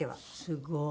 すごい！